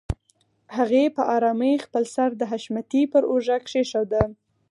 هغې په آرامۍ خپل سر د حشمتي پر اوږه کېښوده.